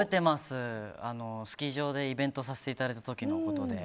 スキー場でイベントさせていただいた時のことで。